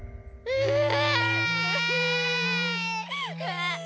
うわ！